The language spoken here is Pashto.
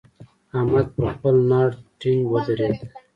احمد پر خپل ناړ ټينګ ودرېد.